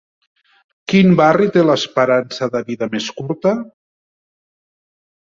Quin barri té l'esperança de vida més curta?